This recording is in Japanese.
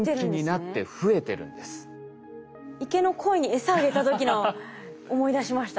池のコイにエサあげた時の思い出しました。